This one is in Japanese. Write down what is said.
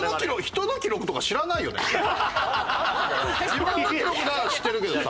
自分の記録なら知ってるけどさ。